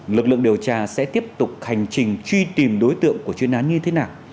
lực lượng điều tra sẽ tiếp tục hành trình truy tìm đối tượng của chuyên án như thế nào